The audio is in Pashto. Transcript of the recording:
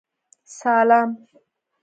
سالم.